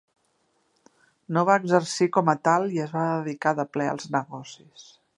No va exercir com a tal i es va dedicar de ple als negocis.